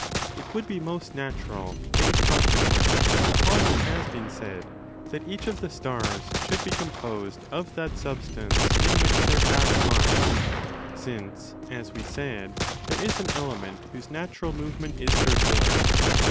It would be most natural and consequent upon what has been said that 'each of the stars should be composed of that substance in 15 which their path lies, since, as we said, there is an element whose natural movement is circular.